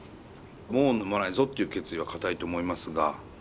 もう飲まないぞっていう決意は固いと思いますが。